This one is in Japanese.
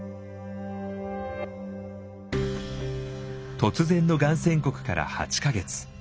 突然のがん宣告から８か月。